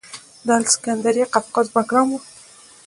د الکسندریه قفقاز بګرام و